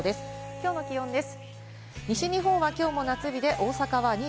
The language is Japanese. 今日の気温です。